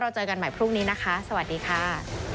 เจอกันใหม่พรุ่งนี้นะคะสวัสดีค่ะ